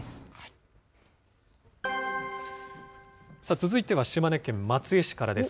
続いては島根県松江市からです。